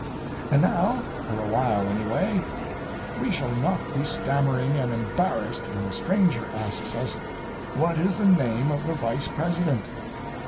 And now, for a while anyway, we shall not be stammering and embarrassed when a stranger asks us, "What is the name of the Vice President?"